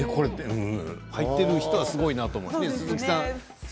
入っている人はすごいなと思います。